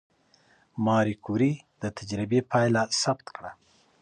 ماري کوري د تجربې پایله ثبت کړه.